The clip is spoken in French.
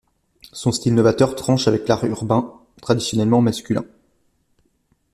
Son style novateur tranche avec l'art urbain, traditionnellement masculin.